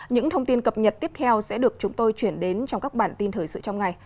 những thông tin cập nhật tiếp theo sẽ được chúng tôi chuyển đến trong các bản tin thời sự trong ngày